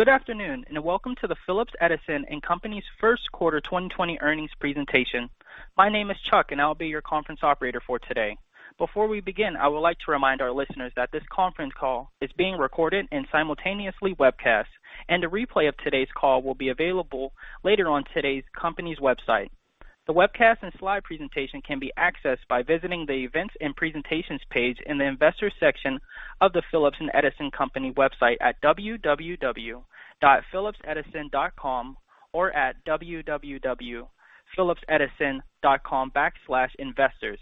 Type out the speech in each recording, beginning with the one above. Good afternoon. Welcome to the Phillips Edison & Company's First Quarter 2020 Earnings Presentation. My name is Chuck. I'll be your conference operator for today. Before we begin, I would like to remind our listeners that this conference call is being recorded and simultaneously webcast. A replay of today's call will be available later on today's company's website. The webcast and slide presentation can be accessed by visiting the Events and Presentations page in the Investors section of the Phillips Edison & Company website at www.phillipsedison.com or at www.phillipsedison.com/investors.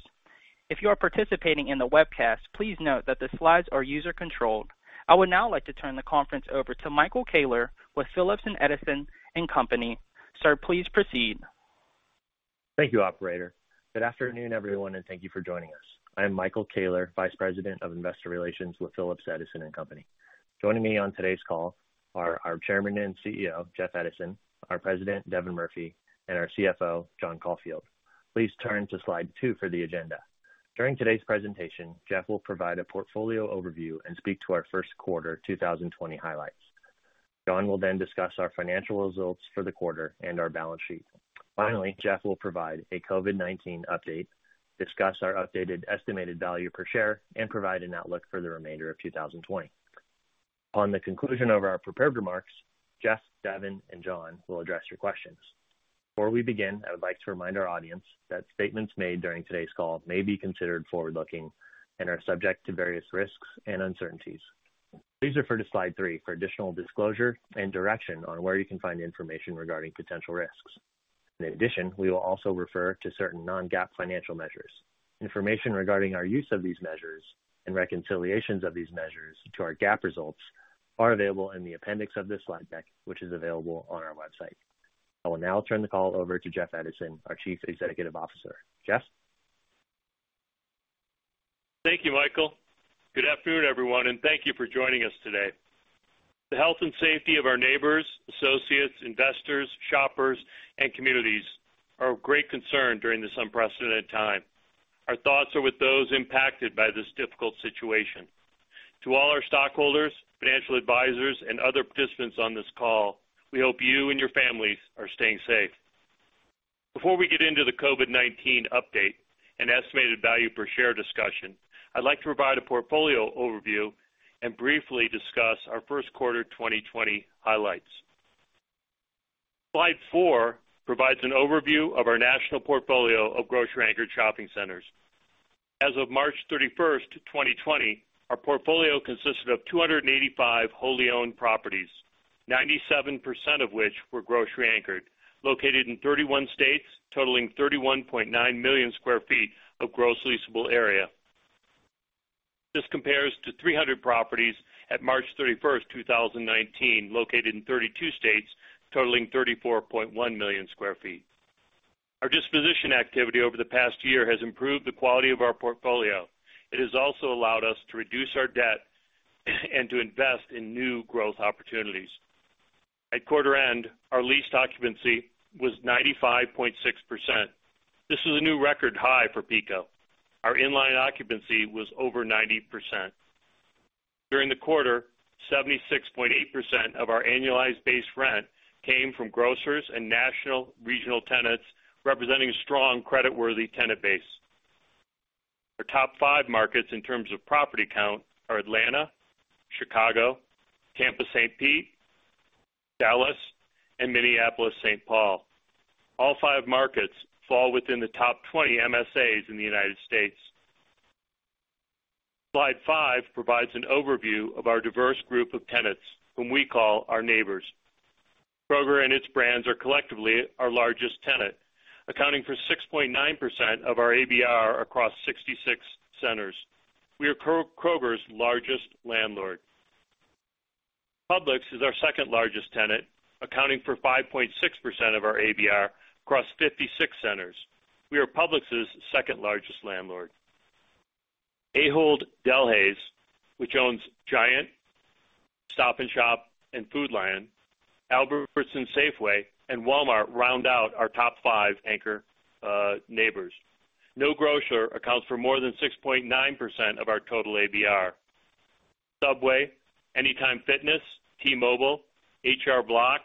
If you are participating in the webcast, please note that the slides are user-controlled. I would now like to turn the conference over to Michael Koehler with Phillips Edison & Company. Sir, please proceed. Thank you, operator. Good afternoon, everyone, and thank you for joining us. I am Michael Koehler, Vice President of Investor Relations with Phillips Edison & Company. Joining me on today's call are our Chairman and CEO, Jeff Edison, our President, Devin Murphy, and our CFO, John Caulfield. Please turn to slide two for the agenda. During today's presentation, Jeff will provide a portfolio overview and speak to our first quarter 2020 highlights. John will discuss our financial results for the quarter and our balance sheet. Finally, Jeff will provide a COVID-19 update, discuss our updated estimated value per share, and provide an outlook for the remainder of 2020. Upon the conclusion of our prepared remarks, Jeff, Devin, and John will address your questions. Before we begin, I would like to remind our audience that statements made during today's call may be considered forward-looking and are subject to various risks and uncertainties. Please refer to slide three for additional disclosure and direction on where you can find information regarding potential risks. In addition, we will also refer to certain non-GAAP financial measures. Information regarding our use of these measures and reconciliations of these measures to our GAAP results are available in the appendix of this slide deck, which is available on our website. I will now turn the call over to Jeff Edison, our Chief Executive Officer. Jeff? Thank you, Michael. Good afternoon, everyone, and thank you for joining us today. The health and safety of our neighbors, associates, investors, shoppers, and communities are of great concern during this unprecedented time. Our thoughts are with those impacted by this difficult situation. To all our stockholders, financial advisors, and other participants on this call, we hope you and your families are staying safe. Before we get into the COVID-19 update and estimated value per share discussion, I'd like to provide a portfolio overview and briefly discuss our first quarter 2020 highlights. Slide four provides an overview of our national portfolio of grocery-anchored shopping centers. As of March 31st, 2020, our portfolio consisted of 285 wholly owned properties, 97% of which were grocery anchored, located in 31 states, totaling 31.9 million square feet of gross leasable area. This compares to 300 properties at March 31, 2019, located in 32 states, totaling 34.1 million sq ft. Our disposition activity over the past year has improved the quality of our portfolio. It has also allowed us to reduce our debt and to invest in new growth opportunities. At quarter end, our leased occupancy was 95.6%. This was a new record high for Phillips Edison & Company. Our in-line occupancy was over 90%. During the quarter, 76.8% of our annualized base rent came from grocers and national regional tenants, representing a strong creditworthy tenant base. Our top five markets in terms of property count are Atlanta, Chicago, Tampa-Saint Pete, Dallas, and Minneapolis-Saint Paul. All five markets fall within the top 20 MSAs in the U.S. Slide five provides an overview of our diverse group of tenants, whom we call our neighbors. Kroger and its brands are collectively our largest tenant, accounting for 6.9% of our ABR across 66 centers. We are Kroger's largest landlord. Publix is our second largest tenant, accounting for 5.6% of our ABR across 56 centers. We are Publix's second largest landlord. Ahold Delhaize, which owns Giant, Stop & Shop, and Food Lion, Albertsons-Safeway, and Walmart round out our top five anchor neighbors. No grocer accounts for more than 6.9% of our total ABR. Subway, Anytime Fitness, T-Mobile, H&R Block,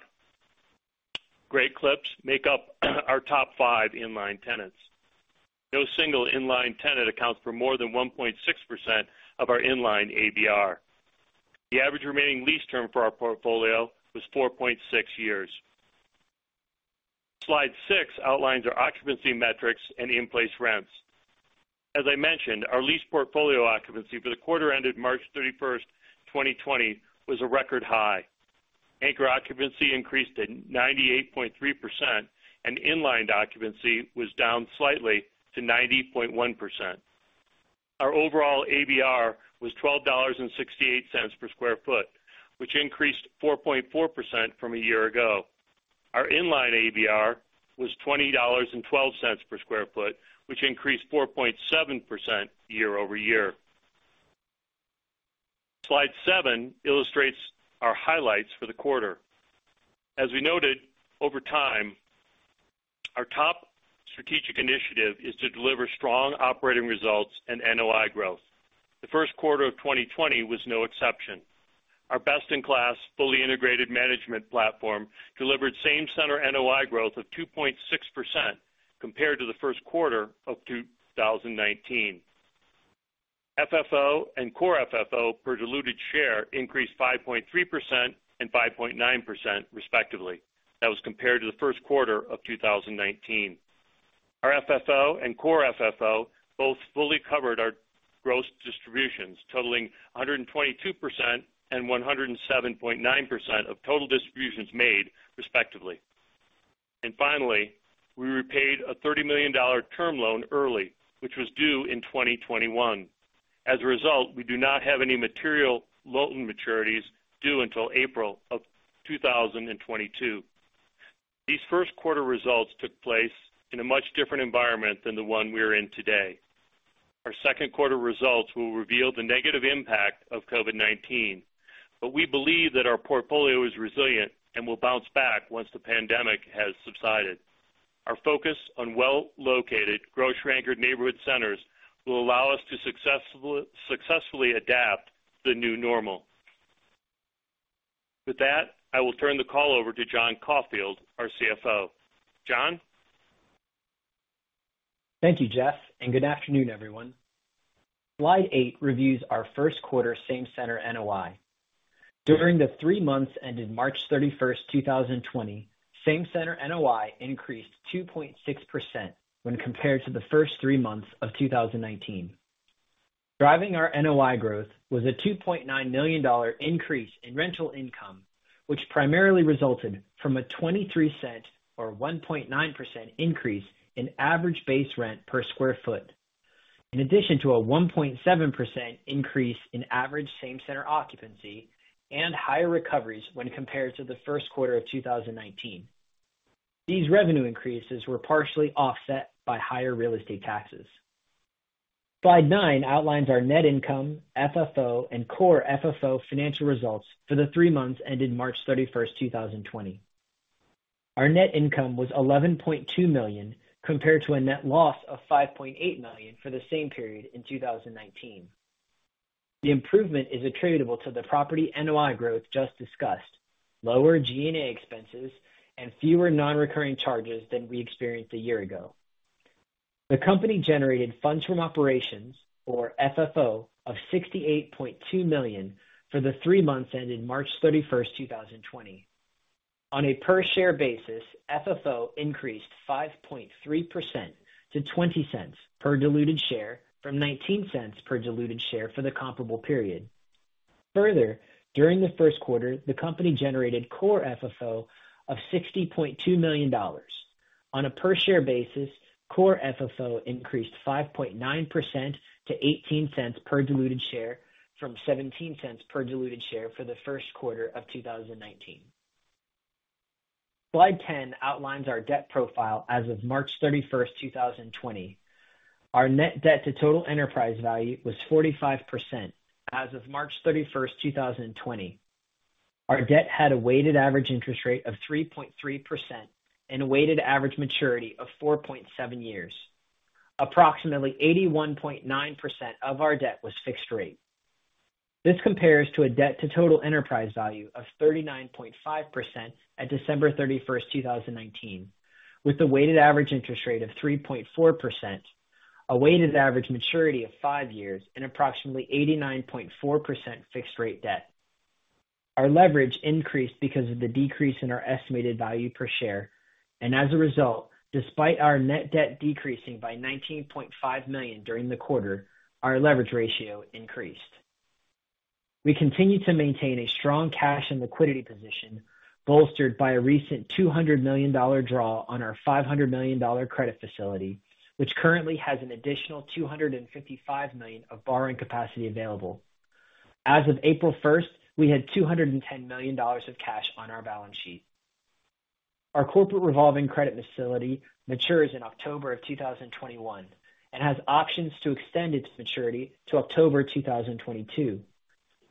Great Clips make up our top five in-line tenants. No single in-line tenant accounts for more than 1.6% of our in-line ABR. The average remaining lease term for our portfolio was four point six years. Slide six outlines our occupancy metrics and in-place rents. As I mentioned, our lease portfolio occupancy for the quarter ended March 31st, 2020, was a record high. Anchor occupancy increased to 98.3%, and in-line occupancy was down slightly to 90.1%. Our overall ABR was $12.68 per square foot, which increased 4.4% from a year ago. Our in-line ABR was $20.12 per square foot, which increased 4.7% year-over-year. Slide seven illustrates our highlights for the quarter. As we noted, our top strategic initiative is to deliver strong operating results and NOI growth. The first quarter of 2020 was no exception. Our best-in-class, fully integrated management platform delivered Same-Center NOI growth of 2.6% compared to the first quarter of 2019. FFO and Core FFO per diluted share increased 5.3% and 5.9%, respectively. That was compared to the first quarter of 2019. Our FFO and Core FFO both fully covered our gross distributions, totaling 122% and 107.9% of total distributions made, respectively. Finally, we repaid a $30 million term loan early, which was due in 2021. As a result, we do not have any material loan maturities due until April of 2022. These first quarter results took place in a much different environment than the one we are in today. Our second quarter results will reveal the negative impact of COVID-19. We believe that our portfolio is resilient and will bounce back once the pandemic has subsided. Our focus on well-located, grocery-anchored neighborhood centers will allow us to successfully adapt to the new normal. With that, I will turn the call over to John Caulfield, our CFO. John? Thank you, Jeff, and good afternoon, everyone. Slide eight reviews our first quarter Same-Center NOI. During the three months ended March 31st, 2020, Same-Center NOI increased 2.6% when compared to the first three months of 2019. Driving our NOI growth was a $2.9 million increase in rental income, which primarily resulted from a $0.23 or 1.9% increase in average base rent per square foot, in addition to a 1.7% increase in average Same-Center occupancy and higher recoveries when compared to the first quarter of 2019. These revenue increases were partially offset by higher real estate taxes. Slide nine outlines our net income, FFO, and Core FFO financial results for the three months ended March 31st, 2020. Our net income was $11.2 million, compared to a net loss of $5.8 million for the same period in 2019. The improvement is attributable to the property NOI growth just discussed, lower G&A expenses, and fewer non-recurring charges than we experienced a year ago. The company generated Funds From Operations, or FFO, of $68.2 million for the three months ended March 31st, 2020. On a per share basis, FFO increased 5.3% to $0.20 per diluted share from $0.19 per diluted share for the comparable period. Further, during the first quarter, the company generated Core FFO of $60.2 million. On a per share basis, Core FFO increased 5.9% to $0.18 per diluted share from $0.17 per diluted share for the first quarter of 2019. Slide 10 outlines our debt profile as of March 31st, 2020. Our net debt to total enterprise value was 45% as of March 31st, 2020. Our debt had a Weighted Average Interest rate of 3.3% and a Weighted Average Maturity of four point seven years. Approximately 81.9% of our debt was fixed rate. This compares to a debt to total enterprise value of 39.5% at December 31st, 2019, with a Weighted Average Interest rate of 3.4%, a Weighted Average Maturity of five years, and approximately 89.4% fixed rate debt. Our leverage increased because of the decrease in our estimated value per share. As a result, despite our net debt decreasing by $19.5 million during the quarter, our leverage ratio increased. We continue to maintain a strong cash and liquidity position, bolstered by a recent $200 million draw on our $500 million credit facility, which currently has an additional $255 million of borrowing capacity available. As of April 1st, we had $210 million of cash on our balance sheet. Our corporate revolving credit facility matures in October of 2021 and has options to extend its maturity to October 2022.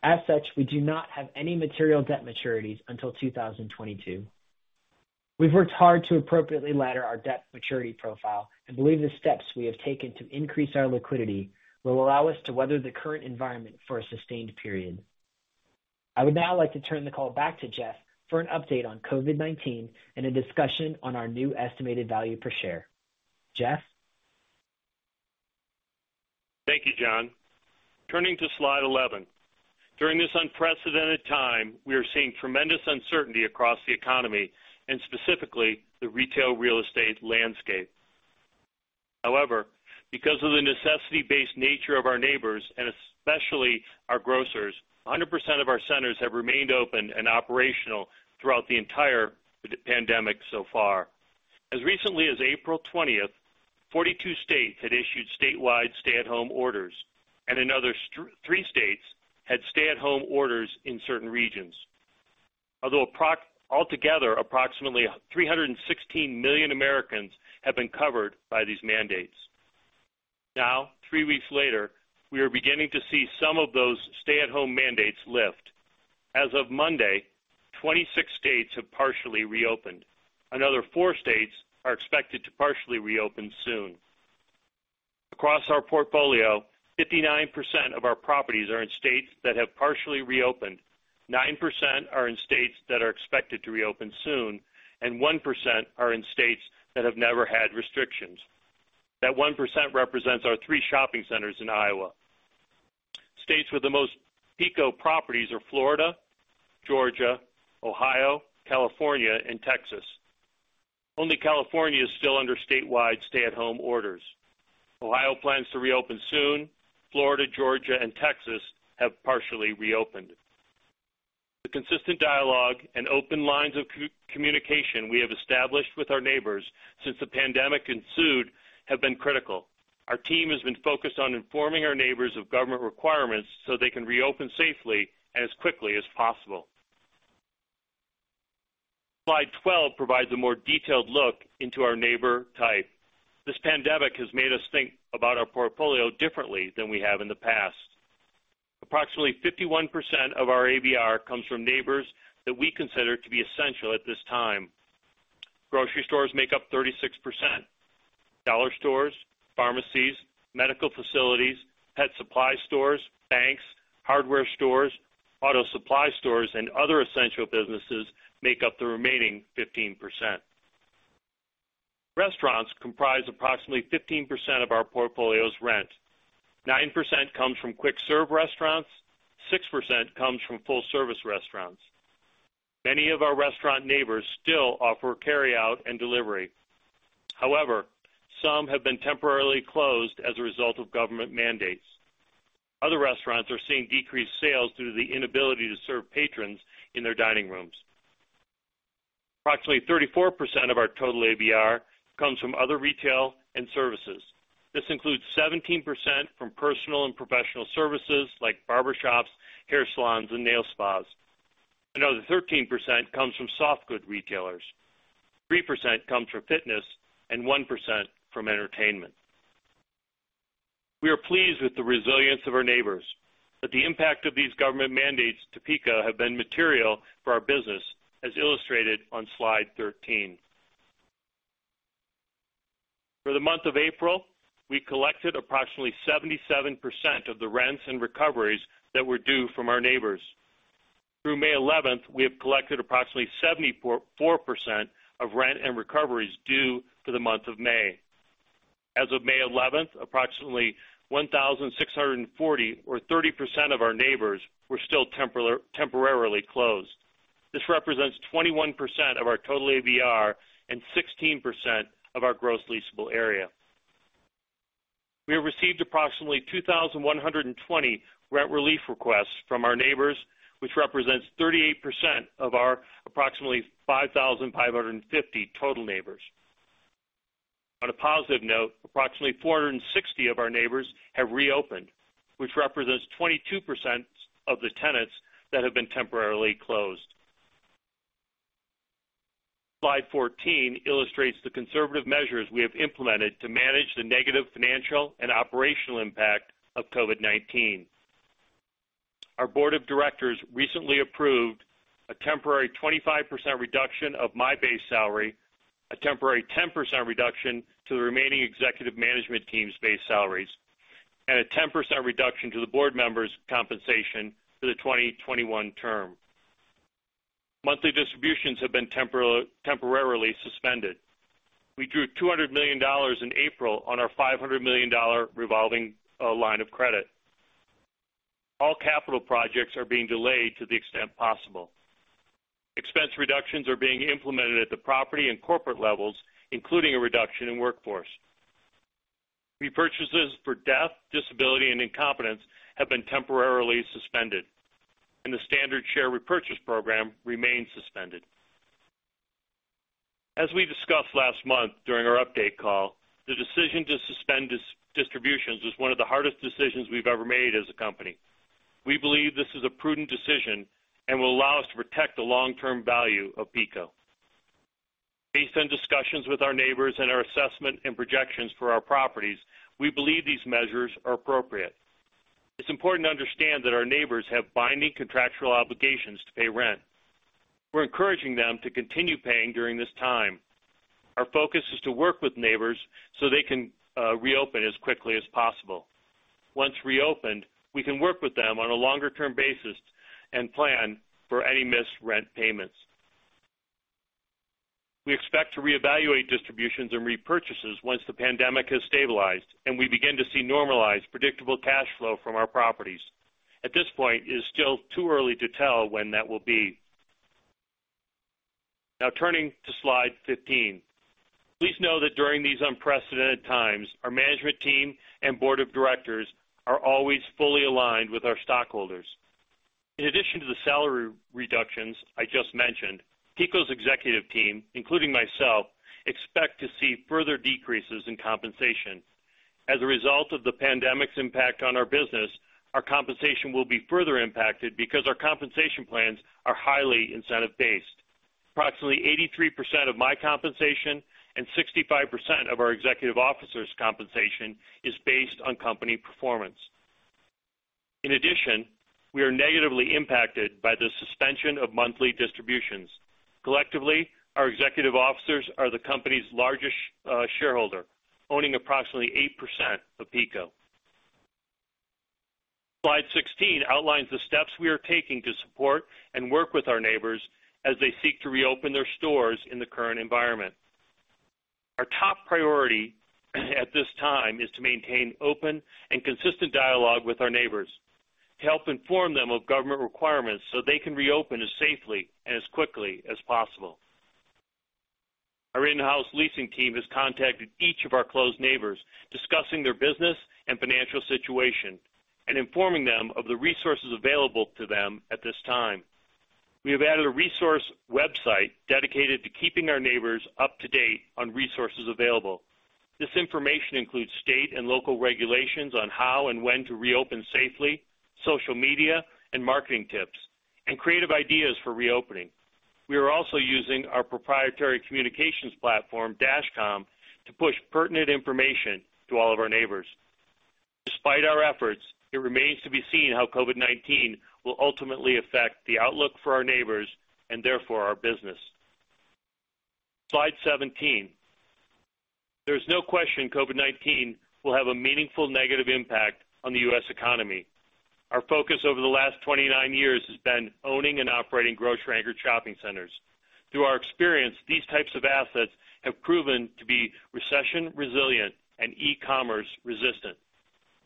As such, we do not have any material debt maturities until 2022. We've worked hard to appropriately ladder our debt maturity profile and believe the steps we have taken to increase our liquidity will allow us to weather the current environment for a sustained period. I would now like to turn the call back to Jeff for an update on COVID-19 and a discussion on our new estimated value per share. Jeff? Thank you, John. Turning to slide 11. During this unprecedented time, we are seeing tremendous uncertainty across the economy and specifically the retail real estate landscape. Because of the necessity-based nature of our neighbors, and especially our grocers, 100% of our centers have remained open and operational throughout the entire pandemic so far. As recently as April 20th, 42 states had issued statewide stay-at-home orders, and another three states had stay-at-home orders in certain regions. Altogether, approximately 316 million Americans have been covered by these mandates. Three weeks later, we are beginning to see some of those stay-at-home mandates lift. As of Monday, 26 states have partially reopened. Another four states are expected to partially reopen soon. Across our portfolio, 59% of our properties are in states that have partially reopened, 9% are in states that are expected to reopen soon, and 1% are in states that have never had restrictions. That 1% represents our three shopping centers in Iowa. States with the most Phillips Edison & Company properties are Florida, Georgia, Ohio, California, and Texas. Only California is still under statewide stay-at-home orders. Ohio plans to reopen soon. Florida, Georgia, and Texas have partially reopened. The consistent dialogue and open lines of communication we have established with our neighbors since the pandemic ensued have been critical. Our team has been focused on informing our neighbors of government requirements so they can reopen safely and as quickly as possible. Slide 12 provides a more detailed look into our neighbor type. This pandemic has made us think about our portfolio differently than we have in the past. Approximately 51% of our ABR comes from neighbors that we consider to be essential at this time. Grocery stores make up 36%. Dollar stores, pharmacies, medical facilities, pet supply stores, banks, hardware stores, auto supply stores, and other essential businesses make up the remaining 15%. Restaurants comprise approximately 15% of our portfolio's rent. 9% comes from quick-serve restaurants, 6% comes from full-service restaurants. Many of our restaurant neighbors still offer carryout and delivery. However, some have been temporarily closed as a result of government mandates. Other restaurants are seeing decreased sales due to the inability to serve patrons in their dining rooms. Approximately 34% of our total ABR comes from other retail and services. This includes 17% from personal and professional services like barbershops, hair salons, and nail spas. Another 13% comes from soft good retailers, 3% comes from fitness, and 1% from entertainment. We are pleased with the resilience of our neighbors, but the impact of these government mandates to Phillips Edison & Company have been material for our business, as illustrated on slide 13. For the month of April, we collected approximately 77% of the rents and recoveries that were due from our neighbors. Through May 11th, we have collected approximately 74% of rent and recoveries due for the month of May. As of May 11th, approximately 1,640 or 30% of our neighbors were still temporarily closed. This represents 21% of our total ABR and 16% of our gross leasable area. We have received approximately 2,120 rent relief requests from our neighbors, which represents 38% of our approximately 5,550 total neighbors. On a positive note, approximately 460 of our neighbors have reopened, which represents 22% of the tenants that have been temporarily closed. Slide 14 illustrates the conservative measures we have implemented to manage the negative financial and operational impact of COVID-19. Our board of directors recently approved a temporary 25% reduction of my base salary, a temporary 10% reduction to the remaining executive management team's base salaries, and a 10% reduction to the board members' compensation for the 2021 term. Monthly distributions have been temporarily suspended. We drew $200 million in April on our $500 million revolving line of credit. All capital projects are being delayed to the extent possible. Expense reductions are being implemented at the property and corporate levels, including a reduction in workforce. Repurchases for death, disability, and incompetence have been temporarily suspended, and the standard share repurchase program remains suspended. As we discussed last month during our update call, the decision to suspend distributions was one of the hardest decisions we've ever made as a company. We believe this is a prudent decision and will allow us to protect the long-term value of Phillips Edison & Company. Based on discussions with our neighbors and our assessment and projections for our properties, we believe these measures are appropriate. It's important to understand that our neighbors have binding contractual obligations to pay rent. We're encouraging them to continue paying during this time. Our focus is to work with neighbors so they can reopen as quickly as possible. Once reopened, we can work with them on a longer-term basis and plan for any missed rent payments. We expect to reevaluate distributions and repurchases once the pandemic has stabilized and we begin to see normalized, predictable cash flow from our properties. At this point, it is still too early to tell when that will be. Now turning to slide 15. Please know that during these unprecedented times, our management team and board of directors are always fully aligned with our stockholders. In addition to the salary reductions I just mentioned, Phillips Edison & Company's executive team, including myself, expect to see further decreases in compensation. As a result of the pandemic's impact on our business, our compensation will be further impacted because our compensation plans are highly incentive-based. Approximately 83% of my compensation and 65% of our executive officers' compensation is based on company performance. We are negatively impacted by the suspension of monthly distributions. Collectively, our executive officers are the company's largest shareholder, owning approximately 8% of Phillips Edison & Company. Slide 16 outlines the steps we are taking to support and work with our neighbors as they seek to reopen their stores in the current environment. Our top priority at this time is to maintain open and consistent dialogue with our neighbors to help inform them of government requirements so they can reopen as safely and as quickly as possible. Our in-house leasing team has contacted each of our closed neighbors, discussing their business and financial situation and informing them of the resources available to them at this time. We have added a resource website dedicated to keeping our neighbors up to date on resources available. This information includes state and local regulations on how and when to reopen safely, social media and marketing tips, and creative ideas for reopening. We are also using our proprietary communications platform, DashComm, to push pertinent information to all of our neighbors. Despite our efforts, it remains to be seen how COVID-19 will ultimately affect the outlook for our neighbors and therefore our business. Slide 17. There is no question COVID-19 will have a meaningful negative impact on the U.S. economy. Our focus over the last 29 years has been owning and operating grocery-anchored shopping centers. Through our experience, these types of assets have proven to be recession resilient and e-commerce resistant,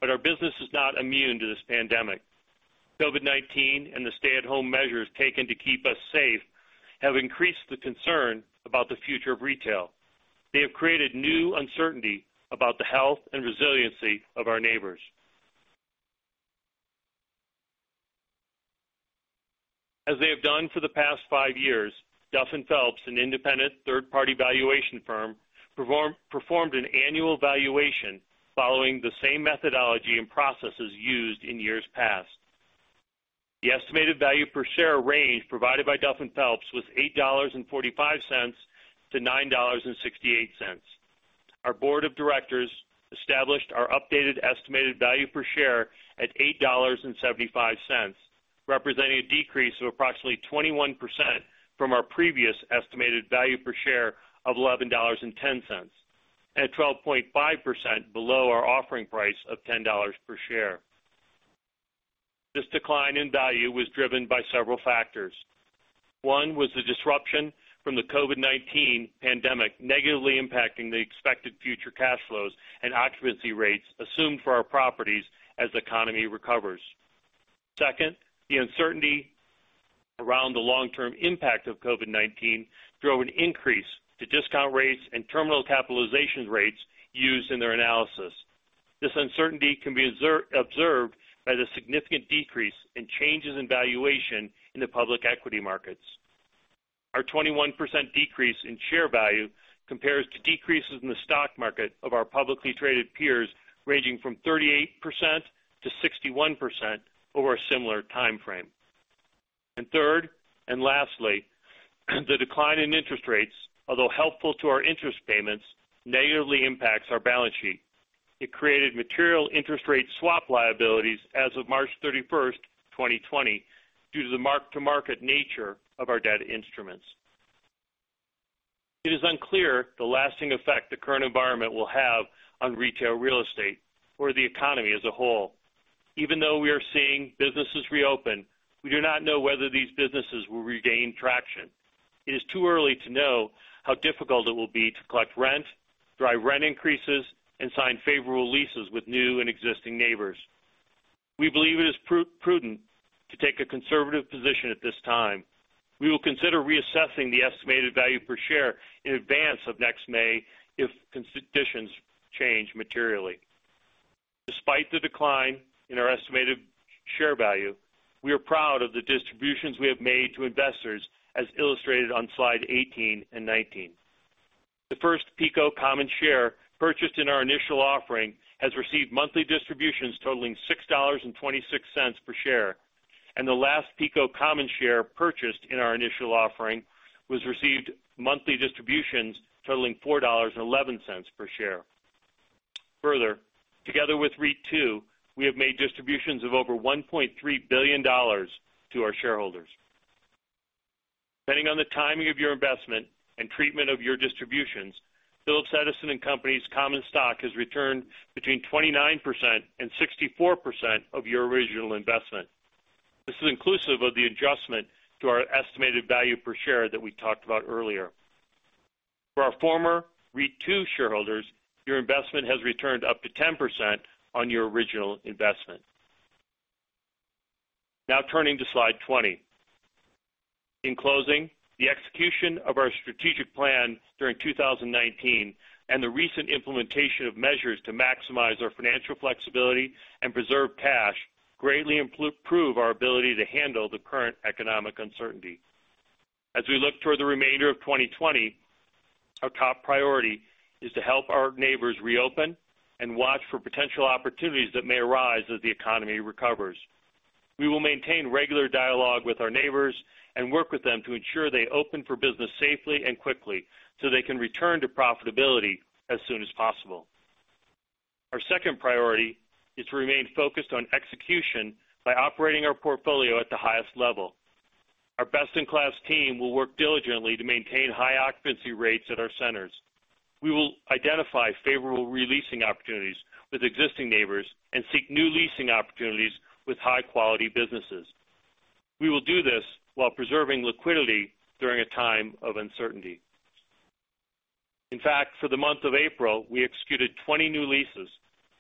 but our business is not immune to this pandemic. COVID-19 and the stay-at-home measures taken to keep us safe have increased the concern about the future of retail. They have created new uncertainty about the health and resiliency of our neighbors. As they have done for the past five years, Duff & Phelps, an independent third-party valuation firm, performed an annual valuation following the same methodology and processes used in years past. The estimated value per share range provided by Duff & Phelps was $8.45 to $9.68. Our board of directors established our updated estimated value per share at $8.75, representing a decrease of approximately 21% from our previous estimated value per share of $11.10, and 12.5% below our offering price of $10 per share. This decline in value was driven by several factors. One was the disruption from the COVID-19 pandemic negatively impacting the expected future cash flows and occupancy rates assumed for our properties as the economy recovers. Second, the uncertainty around the long-term impact of COVID-19 drove an increase to discount rates and terminal capitalization rates used in their analysis. This uncertainty can be observed by the significant decrease in changes in valuation in the public equity markets. Our 21% decrease in share value compares to decreases in the stock market of our publicly traded peers, ranging from 38%-61% over a similar timeframe. Third, and lastly, the decline in interest rates, although helpful to our interest payments, negatively impacts our balance sheet. It created material interest rate swap liabilities as of March 31st, 2020, due to the mark-to-market nature of our debt instruments. It is unclear the lasting effect the current environment will have on retail real estate or the economy as a whole. Even though we are seeing businesses reopen, we do not know whether these businesses will regain traction. It is too early to know how difficult it will be to collect rent, drive rent increases, and sign favorable leases with new and existing neighbors. We believe it is prudent to take a conservative position at this time. We will consider reassessing the estimated value per share in advance of next May if conditions change materially. Despite the decline in our estimated share value, we are proud of the distributions we have made to investors, as illustrated on slide 18 and 19. The first Phillips Edison & Company common share purchased in our initial offering has received monthly distributions totaling $6.26 per share, and the last Phillips Edison & Company common share purchased in our initial offering has received monthly distributions totaling $4.11 per share. Further, together with REIT II, we have made distributions of over $1.3 billion to our shareholders. Depending on the timing of your investment and treatment of your distributions, Phillips Edison & Company's common stock has returned between 29% and 64% of your original investment. This is inclusive of the adjustment to our estimated value per share that we talked about earlier. For our former REIT II shareholders, your investment has returned up to 10% on your original investment. Now turning to slide 20. In closing, the execution of our strategic plan during 2019 and the recent implementation of measures to maximize our financial flexibility and preserve cash greatly improve our ability to handle the current economic uncertainty. As we look toward the remainder of 2020. Our top priority is to help our neighbors reopen and watch for potential opportunities that may arise as the economy recovers. We will maintain regular dialogue with our neighbors and work with them to ensure they open for business safely and quickly so they can return to profitability as soon as possible. Our second priority is to remain focused on execution by operating our portfolio at the highest level. Our best-in-class team will work diligently to maintain high occupancy rates at our centers. We will identify favorable re-leasing opportunities with existing neighbors and seek new leasing opportunities with high-quality businesses. We will do this while preserving liquidity during a time of uncertainty. In fact, for the month of April, we executed 20 new leases,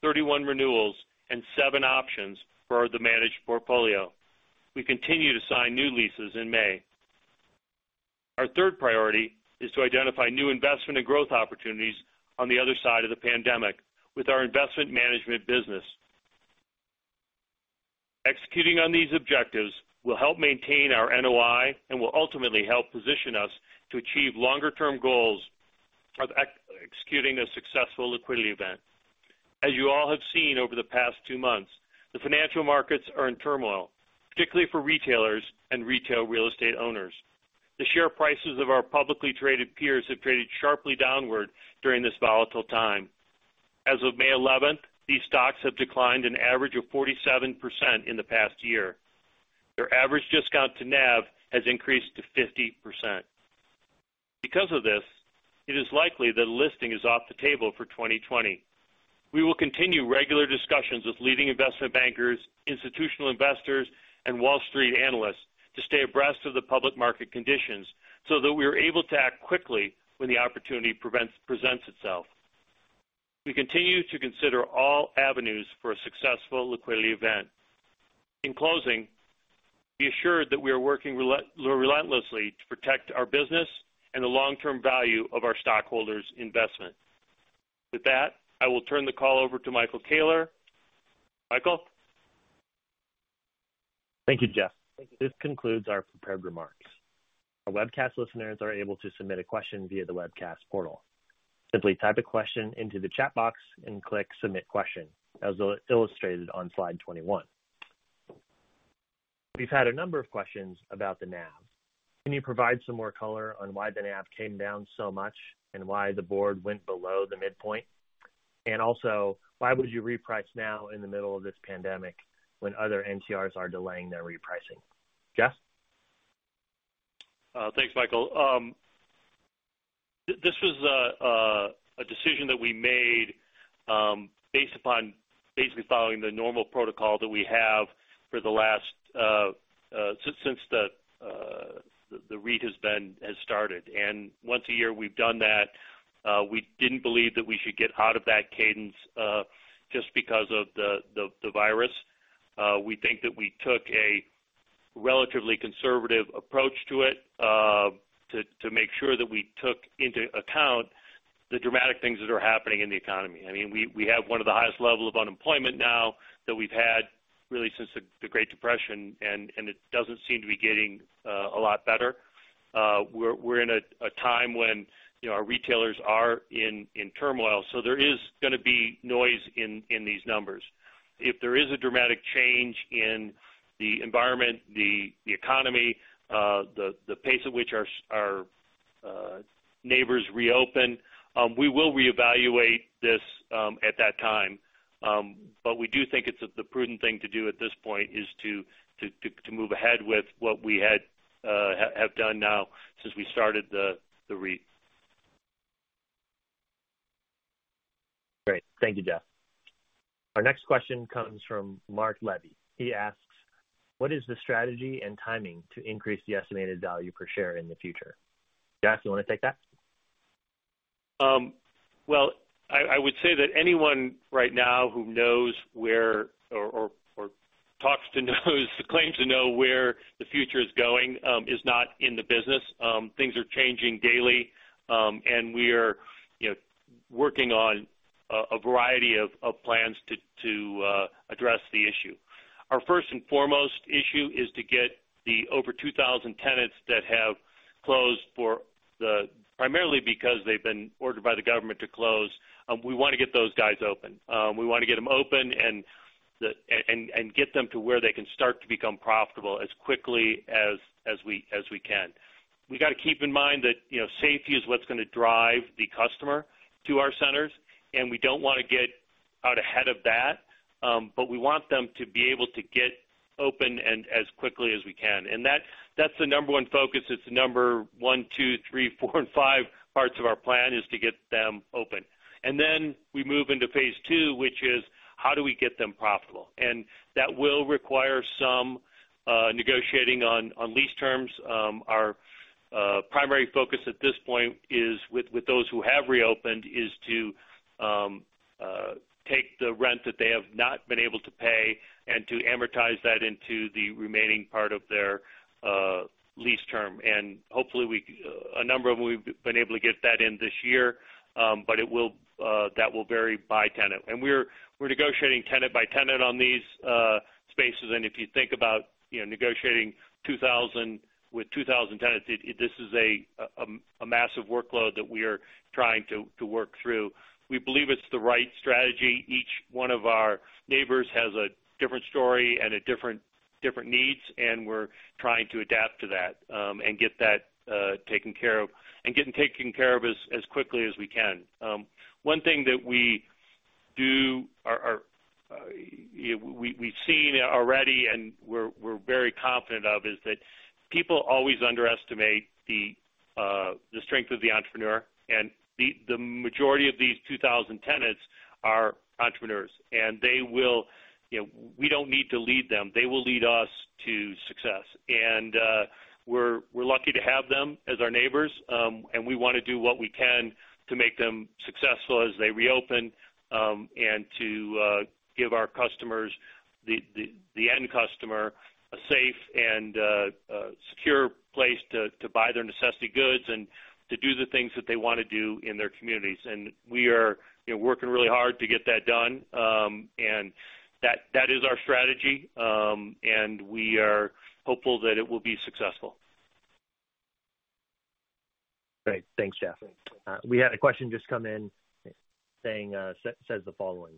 31 renewals, and seven options for the managed portfolio. We continue to sign new leases in May. Our third priority is to identify new investment and growth opportunities on the other side of the pandemic with our investment management business. Executing on these objectives will help maintain our NOI and will ultimately help position us to achieve longer-term goals of executing a successful liquidity event. As you all have seen over the past two months, the financial markets are in turmoil, particularly for retailers and retail real estate owners. The share prices of our publicly traded peers have traded sharply downward during this volatile time. As of May 11th, these stocks have declined an average of 47% in the past year. Their average discount to NAV has increased to 50%. Because of this, it is likely that listing is off the table for 2020. We will continue regular discussions with leading investment bankers, institutional investors, and Wall Street analysts to stay abreast of the public market conditions so that we are able to act quickly when the opportunity presents itself. We continue to consider all avenues for a successful liquidity event. In closing, be assured that we are working relentlessly to protect our business and the long-term value of our stockholders' investment. With that, I will turn the call over to Michael Koehler. Michael? Thank you, Jeff. This concludes our prepared remarks. Our webcast listeners are able to submit a question via the webcast portal. Simply type a question into the chat box and click submit question, as illustrated on slide 21. We've had a number of questions about the NAV. Can you provide some more color on why the NAV came down so much and why the board went below the midpoint? Also, why would you reprice now in the middle of this pandemic when other non-traded REITs are delaying their repricing? Jeff? Thanks, Michael. This was a decision that we made based upon basically following the normal protocol that we have since the REIT has started. Once a year we've done that. We didn't believe that we should get out of that cadence, just because of the virus. We think that we took a relatively conservative approach to it, to make sure that we took into account the dramatic things that are happening in the economy. We have one of the highest level of unemployment now that we've had really since the Great Depression. It doesn't seem to be getting a lot better. We're in a time when our retailers are in turmoil. There is going to be noise in these numbers. If there is a dramatic change in the environment, the economy, the pace at which our neighbors reopen, we will reevaluate this at that time. We do think the prudent thing to do at this point is to move ahead with what we have done now since we started the REIT. Great. Thank you, Jeff. Our next question comes from Mark Levy. He asks, ''What is the strategy and timing to increase the estimated value per share in the future?'' Jeff, you want to take that? Well, I would say that anyone right now who knows where or talks to those who claim to know where the future is going, is not in the business. Things are changing daily. We are working on a variety of plans to address the issue. Our first and foremost issue is to get the over 2,000 tenants that have closed, primarily because they've been ordered by the government to close. We want to get those guys open. We want to get them open and get them to where they can start to become profitable as quickly as we can. We got to keep in mind that safety is what's going to drive the customer to our centers, and we don't want to get out ahead of that. We want them to be able to get open and as quickly as we can. That's the number one focus. It's the number one, two, three, four, and five parts of our plan is to get them open. We move into phase II, which is how do we get them profitable? That will require some negotiating on lease terms. Our primary focus at this point with those who have reopened, is to take the rent that they have not been able to pay and to amortize that into the remaining part of their lease term. Hopefully, a number of them, we've been able to get that in this year, but that will vary by tenant. We're negotiating tenant by tenant on these spaces, and if you think about negotiating with 2,000 tenants, this is a massive workload that we are trying to work through. We believe it's the right strategy. Each one of our neighbors has a different story and a different needs, and we're trying to adapt to that, and get that taken care of, and getting taken care of as quickly as we can. One thing that we do, or we've seen already and we're very confident of, is that people always underestimate the strength of the entrepreneur. The majority of these 2,000 tenants are entrepreneurs. We don't need to lead them. They will lead us to success. We're lucky to have them as our neighbors, and we want to do what we can to make them successful as they reopen, and to give our customers, the end customer, a safe and secure place to buy their necessity goods and to do the things that they want to do in their communities. We are working really hard to get that done, and that is our strategy, and we are hopeful that it will be successful. Great. Thanks, Jeff. We had a question just come in, saying the following.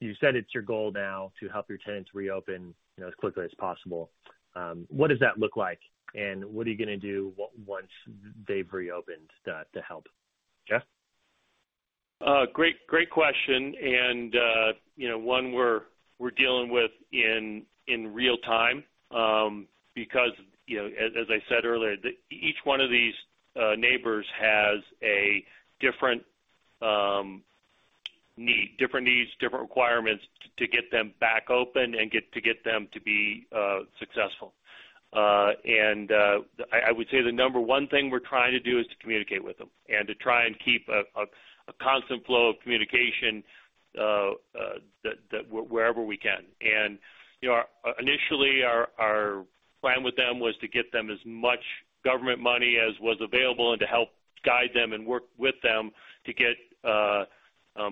You said it's your goal now to help your tenants reopen as quickly as possible. What does that look like, and what are you going to do once they've reopened to help? Jeff? Great question, one we're dealing with in real time. As I said earlier, each one of these neighbors has a different need, different needs, different requirements to get them back open and to get them to be successful. I would say the number one thing we're trying to do is to communicate with them and to try and keep a constant flow of communication wherever we can. Initially, our plan with them was to get them as much government money as was available and to help guide them and work with them to get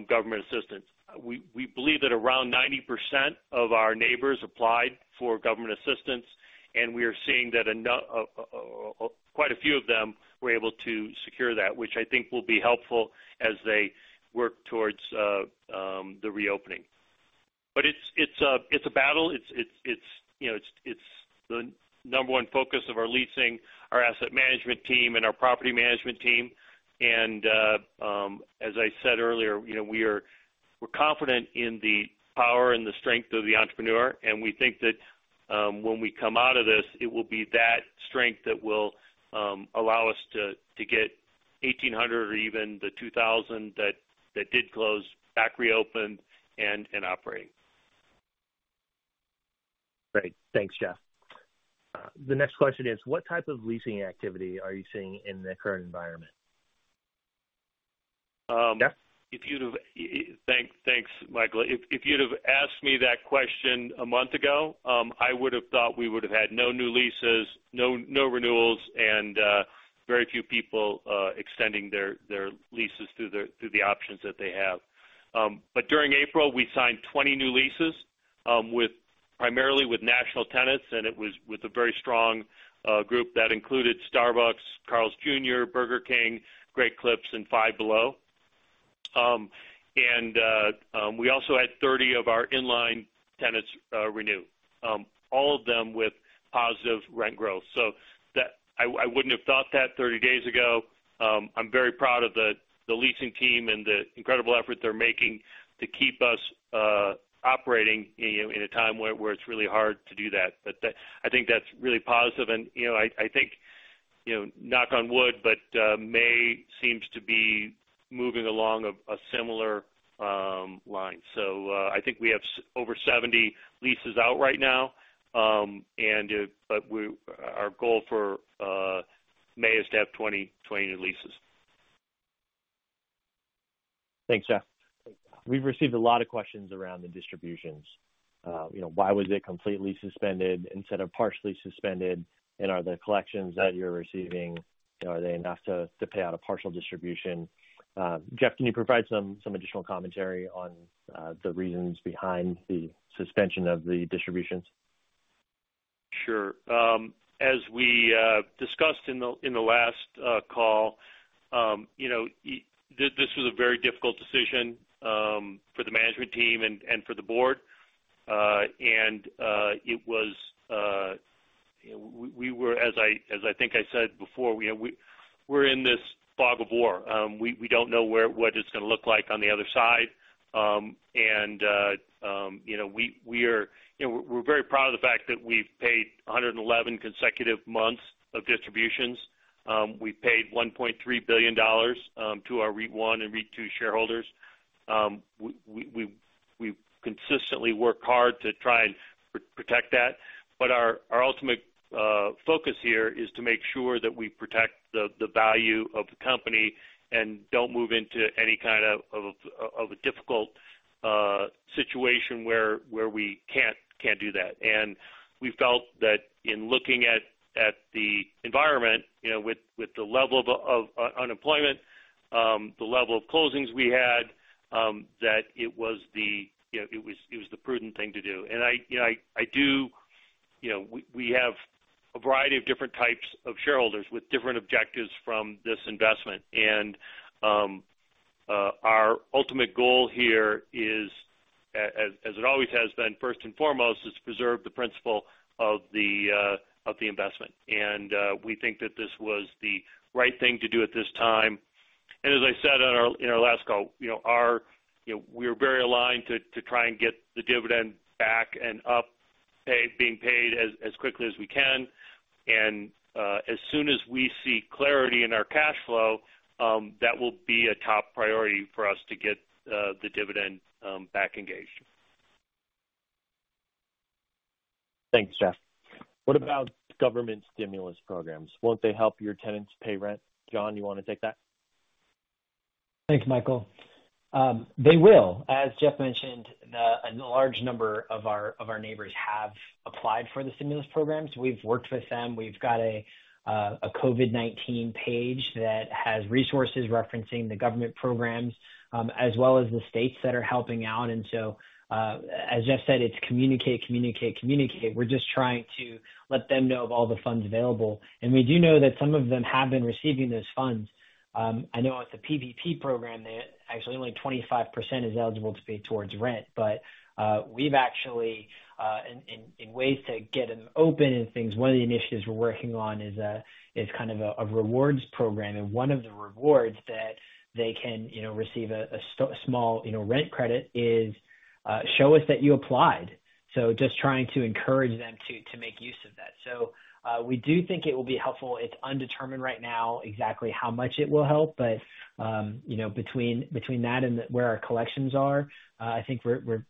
government assistance. We believe that around 90% of our neighbors applied for government assistance, and we are seeing that quite a few of them were able to secure that, which I think will be helpful as they work towards the reopening. It's a battle. It's the number one focus of our leasing, our asset management team, and our property management team. As I said earlier, we're confident in the power and the strength of the entrepreneur, and we think that when we come out of this, it will be that strength that will allow us to get 1,800 or even the 2,000 that did close, back reopened and operating. Great. Thanks, Jeff. The next question is, what type of leasing activity are you seeing in the current environment? Jeff? Thanks, Michael. If you'd have asked me that question a month ago, I would've thought we would've had no new leases, no renewals, and very few people extending their leases through the options that they have. During April, we signed 20 new leases, primarily with national tenants, and it was with a very strong group that included Starbucks, Carl's Jr., Burger King, Great Clips, and Five Below. We also had 30 of our in-line tenants renew, all of them with positive rent growth. I wouldn't have thought that 30 days ago. I'm very proud of the leasing team and the incredible effort they're making to keep us operating in a time where it's really hard to do that. I think that's really positive, and I think, knock on wood, May seems to be moving along a similar line. I think we have over 70 leases out right now. Our goal for May is to have 20 new leases. Thanks, Jeff. We've received a lot of questions around the distributions. Why was it completely suspended instead of partially suspended? Are the collections that you're receiving, are they enough to pay out a partial distribution? Jeff, can you provide some additional commentary on the reasons behind the suspension of the distributions? Sure. As we discussed in the last call, this was a very difficult decision for the management team and for the Board. We were, as I think I said before, we're in this fog of war. We don't know what it's going to look like on the other side. We're very proud of the fact that we've paid 111 consecutive months of distributions. We've paid $1.3 billion to our REIT I and REIT II shareholders. We've consistently worked hard to try and protect that. Our ultimate focus here is to make sure that we protect the value of the company and don't move into any kind of a difficult situation where we can't do that. We felt that in looking at the environment, with the level of unemployment, the level of closings we had, that it was the prudent thing to do. We have a variety of different types of shareholders with different objectives from this investment. Our ultimate goal here is, as it always has been first and foremost, is to preserve the principal of the investment. We think that this was the right thing to do at this time. As I said in our last call, we're very aligned to try and get the dividend back and up, being paid as quickly as we can. As soon as we see clarity in our cash flow, that will be a top priority for us to get the dividend back engaged. Thanks, Jeff. What about government stimulus programs? Won't they help your tenants pay rent? John, you want to take that? Thanks, Michael. They will. As Jeff mentioned, a large number of our neighbors have applied for the stimulus programs. We've worked with them. We've got a COVID-19 page that has resources referencing the government programs, as well as the states that are helping out. As Jeff said, it's communicate. We're just trying to let them know of all the funds available. We do know that some of them have been receiving those funds. I know with the PPP program that actually only 25% is eligible to be towards rent. We've actually in ways to get them open and things, one of the initiatives we're working on is kind of a rewards program. One of the rewards that they can receive a small rent credit is show us that you applied. Just trying to encourage them to make use of that. We do think it will be helpful. It's undetermined right now exactly how much it will help, but between that and where our collections are, I think we're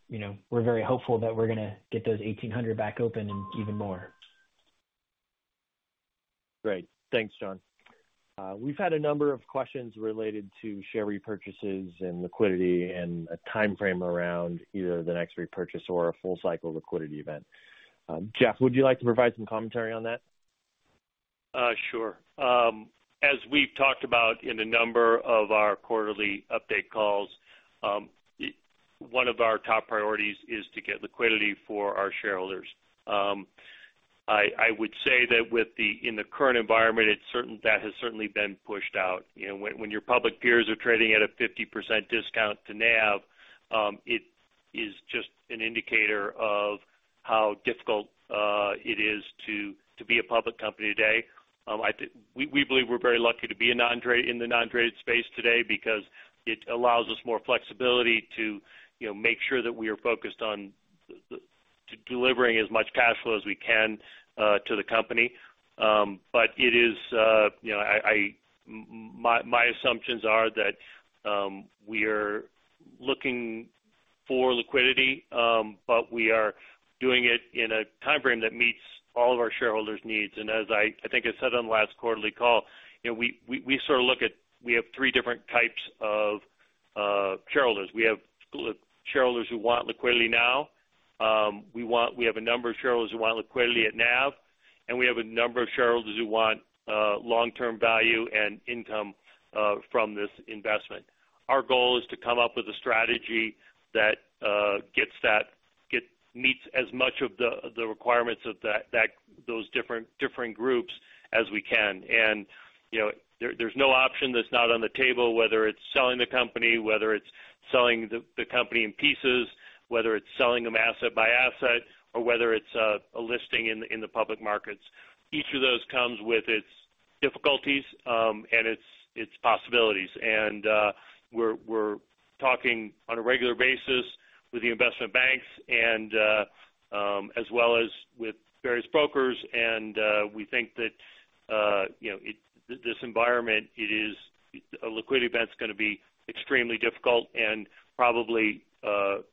very hopeful that we're going to get those 1,800 back open and even more. Great. Thanks, John. We've had a number of questions related to share repurchases and liquidity and a timeframe around either the next repurchase or a full-cycle liquidity event. Jeff, would you like to provide some commentary on that? Sure. As we've talked about in a number of our quarterly update calls, one of our top priorities is to get liquidity for our shareholders. I would say that in the current environment, that has certainly been pushed out. When your public peers are trading at a 50% discount to NAV, it is just an indicator of how difficult it is to be a public company today. We believe we're very lucky to be in the non-traded space today because it allows us more flexibility to make sure that we are focused on delivering as much cash flow as we can to the company. My assumptions are that we are looking for liquidity, but we are doing it in a timeframe that meets all of our shareholders' needs. As I think I said on the last quarterly call, we sort of look at we have three different types of shareholders. We have shareholders who want liquidity now. We have a number of shareholders who want liquidity at NAV, and we have a number of shareholders who want long-term value and income from this investment. Our goal is to come up with a strategy that meets as much of the requirements of those different groups as we can. There's no option that's not on the table, whether it's selling the company, whether it's selling the company in pieces, whether it's selling them asset by asset, or whether it's a listing in the public markets. Each of those comes with its difficulties and its possibilities. We're talking on a regular basis with the investment banks and as well as with various brokers, and we think that this environment, a liquidity event's going to be extremely difficult and probably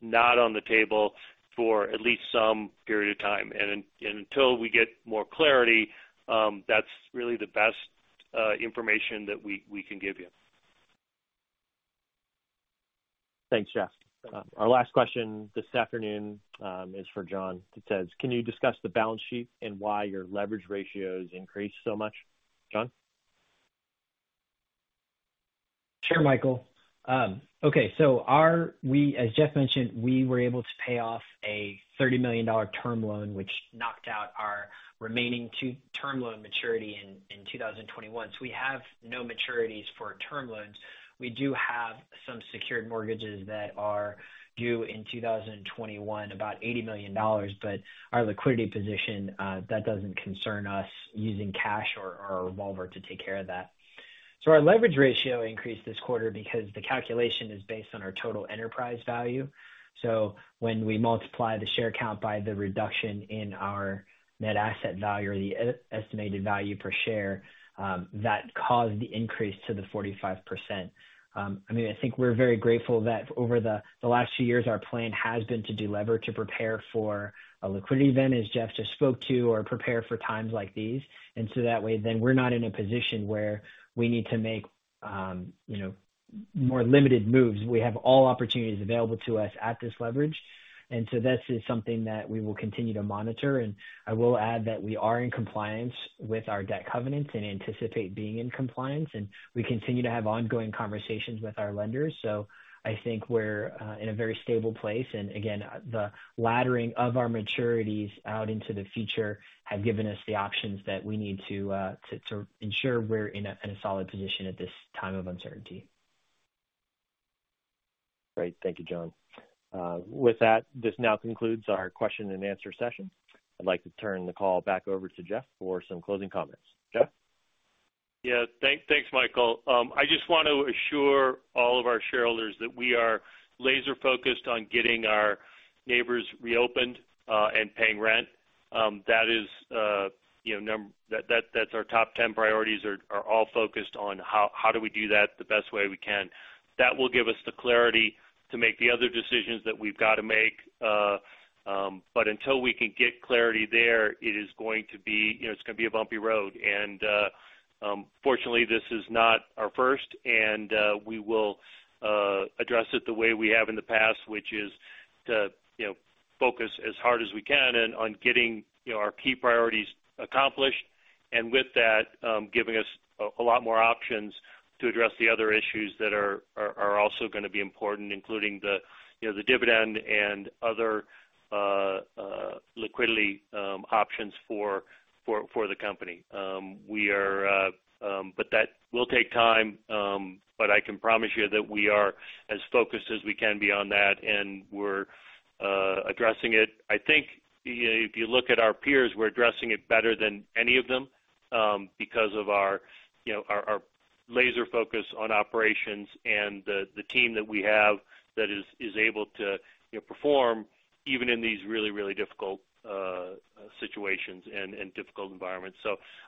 not on the table for at least some period of time. Until we get more clarity, that's really the best information that we can give you. Thanks, Jeff. Our last question this afternoon is for John. It says, can you discuss the balance sheet and why your leverage ratios increased so much? John? Sure, Michael. Okay. As Jeff mentioned, we were able to pay off a $30 million term loan, which knocked out our remaining two-term loan maturity in 2021. We have no maturities for term loans. We do have some secured mortgages that are due in 2021, about $80 million. Our liquidity position, that doesn't concern us using cash or our revolver to take care of that. Our leverage ratio increased this quarter because the calculation is based on our total enterprise value. When we multiply the share count by the reduction in our net asset value or the estimated value per share, that caused the increase to the 45%. I think we're very grateful that over the last few years, our plan has been to delever to prepare for a liquidity event, as Jeff just spoke to, or prepare for times like these. That way, then we're not in a position where we need to make more limited moves. We have all opportunities available to us at this leverage. This is something that we will continue to monitor, and I will add that we are in compliance with our debt covenants and anticipate being in compliance, and we continue to have ongoing conversations with our lenders. I think we're in a very stable place. Again, the laddering of our maturities out into the future have given us the options that we need to ensure we're in a solid position at this time of uncertainty. Great. Thank you, John. With that, this now concludes our question and answer session. I'd like to turn the call back over to Jeff for some closing comments. Jeff? Yeah. Thanks, Michael. I just want to assure all of our shareholders that we are laser-focused on getting our neighbors reopened and paying rent. That's our top 10 priorities, are all focused on how do we do that the best way we can. That will give us the clarity to make the other decisions that we've got to make. Until we can get clarity there, it is going to be a bumpy road. Fortunately, this is not our first, and we will address it the way we have in the past, which is to focus as hard as we can and on getting our key priorities accomplished. With that, giving us a lot more options to address the other issues that are also going to be important, including the dividend and other liquidity options for the company. That will take time, but I can promise you that we are as focused as we can be on that, and we're addressing it. I think if you look at our peers, we're addressing it better than any of them because of our laser focus on operations and the team that we have that is able to perform even in these really difficult situations and difficult environments.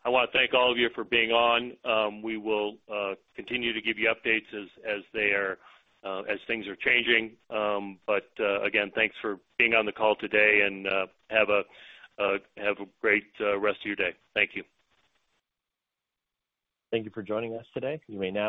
I want to thank all of you for being on. We will continue to give you updates as things are changing. Again, thanks for being on the call today, and have a great rest of your day. Thank you. Thank you for joining us today. You may now disconnect.